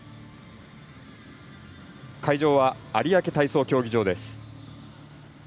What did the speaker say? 会場は有明体操競技場です。